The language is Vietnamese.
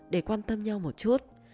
để quan tâm nhau một chút